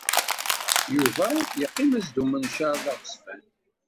Yuba yeqqim-as-d umecwaṛ d aɣezfan.